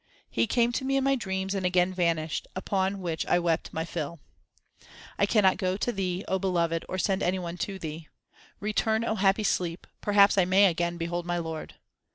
He came to me in my dreams and again vanished, upon which I wept my fill. I cannot go to Thee, O Beloved, or send any one to Thee. Return, O happy sleep, perhaps I may again behold my Lord.